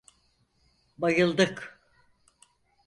Bayıldık.